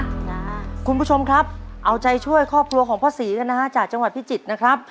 คุณผู้ชมครับเอาใจช่วยครอบครัวของพ่อศรีกันนะฮะจากจังหวัดพิจิตรนะครับ